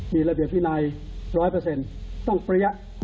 มีระเบียบพินัยร้อยเปอร์เซ็นต์ต้องเปรี้ยะ